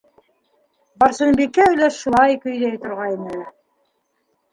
Барсынбикә өләс шулай көйҙәй торғайны...